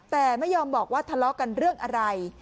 แต่ไม่ยอมบอกว่าทะเลาะกันเรื่องอะไร